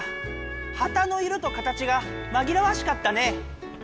はたの色と形がまぎらわしかったね。